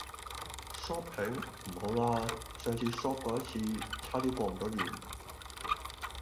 Shopping? 唔好啦，上年 shop 過一次，差啲過唔到年!